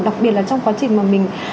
đặc biệt là trong quá trình mà mình